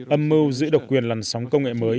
âm mưu giữ độc quyền làn sóng công nghệ mới